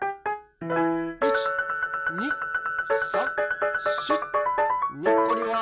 １２３４にっこりわらう。